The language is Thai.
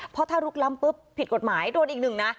เพราะถ้าลุกล้ำปุ๊บผิดกฎหมายโดนอีกหนึ่งนะ